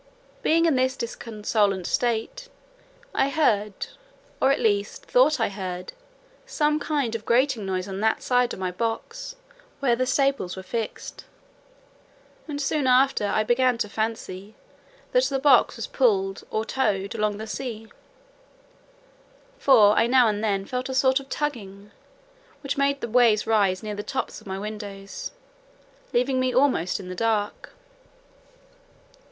Being in this disconsolate state, I heard, or at least thought I heard, some kind of grating noise on that side of my box where the staples were fixed; and soon after I began to fancy that the box was pulled or towed along the sea; for I now and then felt a sort of tugging, which made the waves rise near the tops of my windows, leaving me almost in the dark.